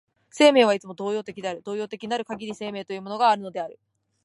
生命はいつも動揺的である、動揺的なるかぎり生命というものがあるのである。